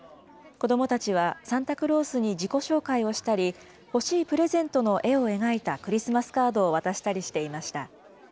子どもたちはサンタクロースに自己紹介をしたり、欲しいプレゼントの絵を描いたクリスマスカードを渡したりしていました。